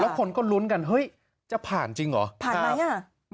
คนก็ลุ้นกันเฮ้ยจะผ่านจริงเหรอผ่านไหมอ่ะ